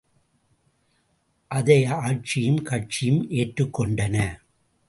அதை ஆட்சியும் கட்சியும் ஏற்றுக்கொண்டன.